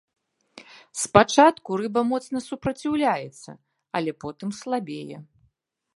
Спачатку рыба моцна супраціўляецца, але потым слабее.